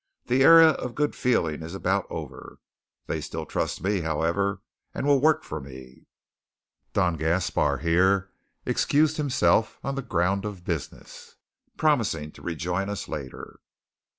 The era of good feeling is about over. They still trust me, however, and will work for me." Don Gaspar here excused himself on the ground of business, promising to rejoin us later.